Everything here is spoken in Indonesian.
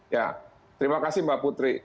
ya terima kasih mbak putri